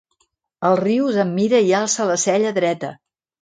El Rius em mira i alça la cella dreta.